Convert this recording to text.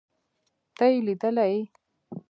ته يې ليدلې.